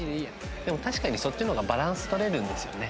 でも確かにそっちの方がバランス取れるんですよね。